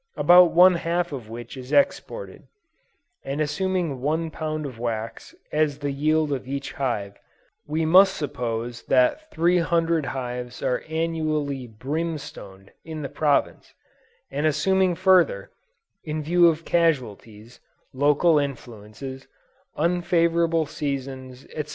about one half of which is exported; and assuming one pound of wax as the yield of each hive, we must suppose that 300,000 hives are annually "brimstoned" in the province; and assuming further, in view of casualties, local influences, unfavorable seasons, &c.